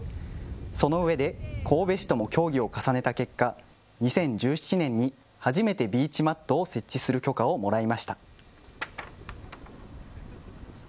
そのうえで、神戸市とも協議を重ねた結果、２０１７年に初めてビーチマットを設置する許可をもらいました。